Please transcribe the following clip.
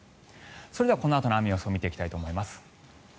それではこのあとの雨の予想を見ていきたいと思います。